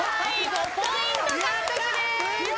５ポイント獲得です。